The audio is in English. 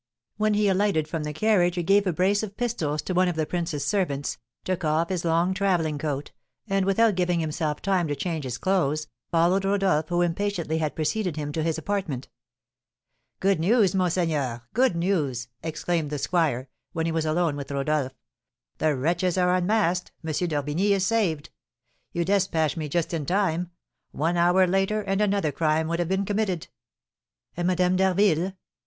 When he alighted from the carriage he gave a brace of pistols to one of the prince's servants, took off his long travelling coat, and, without giving himself time to change his clothes, followed Rodolph, who impatiently had preceded him to his apartment. "Good news, monseigneur! Good news!" exclaimed the squire, when he was alone with Rodolph; "the wretches are unmasked, M. d'Orbigny is saved. You despatched me just in time; one hour later and another crime would have been committed." "And Madame d'Harville?"